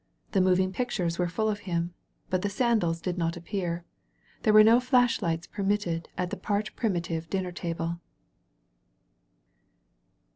The moving pictures were full of him. But the sandals did not appear. There were no flash lights permitted at the part primitive dinner table.